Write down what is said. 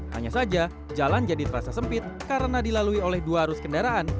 hanya saja jalan jadi terasa sempit karena dilalui oleh dua arus kendaraan